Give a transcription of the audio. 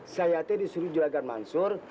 saya tep disuruh di jelagan mansur